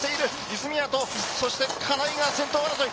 泉谷と、そして金井が先頭争い。